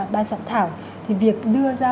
đang sẵn thảo thì việc đưa ra